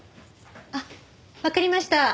あっわかりました。